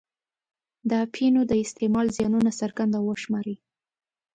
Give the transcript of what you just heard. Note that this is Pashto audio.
د اپینو د استعمال زیانونه څرګند او وشماري.